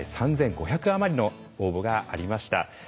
今回３，５００余りの応募がありました。